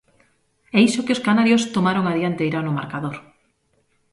E iso que os canarios tomaron a dianteira no marcador.